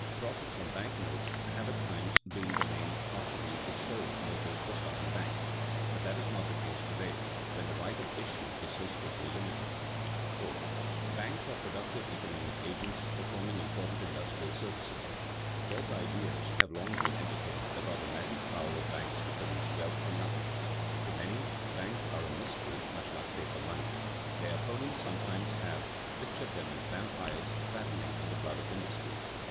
Profits on bank notes have at times been the main, possibly the sole, motive for starting banks; but that is not the case to day when the right of issue is so strictly limited. [Sidenote: Productive services of banks] 4. Banks are productive economic agents performing important industrial services. False ideas have long been entertained about the magic power of banks to produce wealth from nothing. To many, banks are a mystery much like paper money. Their opponents sometimes have pictured them as vampires fattening on the blood of industry.